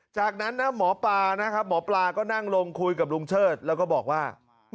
จากนั้นหมอปลาก็นั่งลงคุยกับลุงเชิดแล้วก็บอกว่า